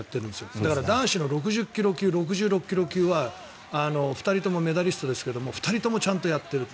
だから男子の６０ｋｇ級６６ｋｇ級は２人ともメダリストですが２人ともちゃんとやっている。